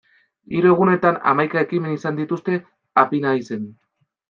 Hiru egunetan hamaika ekimen izan dituzte Apinaizen.